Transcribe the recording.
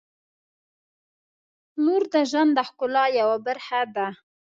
• لور د ژوند د ښکلا یوه برخه ده.